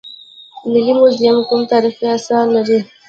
ملي موزیم کوم تاریخي اثار لري؟